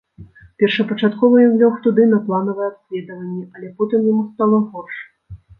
Першапачаткова ён лёг туды на планавае абследаванне, але потым яму стала горш.